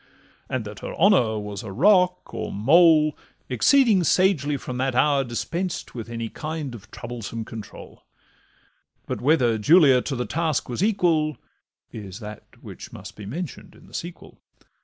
And that her honour was a rock, or mole, Exceeding sagely from that hour dispensed With any kind of troublesome control; But whether Julia to the task was equal Is that which must be mention'd in the sequel.